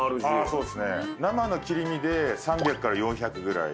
そうっすね生の切り身で３００から４００ぐらい。